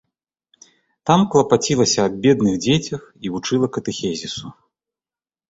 Там клапацілася аб бедных дзецях і вучыла катэхізісу.